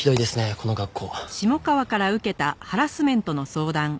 この学校。